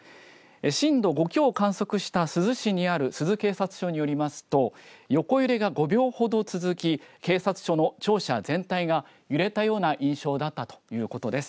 震度５強を観測した珠洲市にある珠洲警察署によりますと横揺れが５秒ほど続き警察庁の庁舎全体が揺れたような印象だったということです。